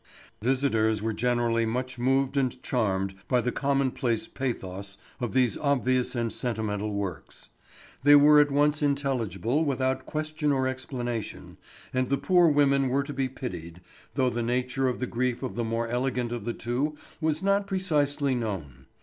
Visitors were generally much moved and charmed by the commonplace pathos of these obvious and sentimental works. They were at once intelligible without question or explanation, and the poor women were to be pitied, though the nature of the grief of the more elegant of the two was not precisely known.